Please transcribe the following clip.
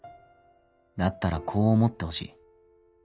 だったらこう思ってほしい。